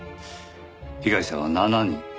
被害者は７人。